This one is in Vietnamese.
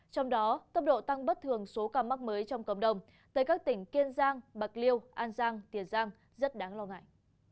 trong đó tâm độ tăng bất thường số ca mắc mới trong cộng đồng tại các tỉnh kiên giang bạc liêu an giang tiền giang rất đáng lo ngại